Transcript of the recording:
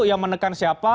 yang menekan siapa